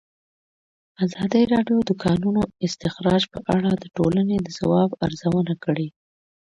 ازادي راډیو د د کانونو استخراج په اړه د ټولنې د ځواب ارزونه کړې.